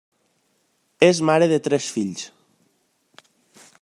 És mare de tres fills.